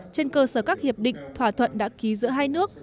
trên cơ sở các hiệp định thỏa thuận đã ký giữa hai nước